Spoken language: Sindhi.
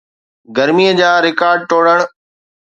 گرميءَ جا رڪارڊ ٽوڙڻ